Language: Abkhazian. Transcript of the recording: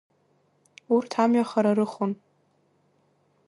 Урҭ амҩа хара рыхон.